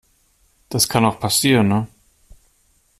Das kann auch passieren, ne?